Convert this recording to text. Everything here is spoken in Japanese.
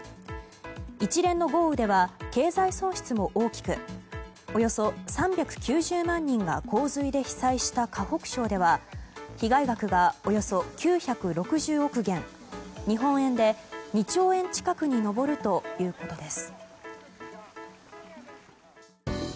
一連の豪雨では経済損失も大きくおよそ３９０万人が洪水で被災した河北省では被害額がおよそ９６０億元日本円で２兆円近くに上るということです。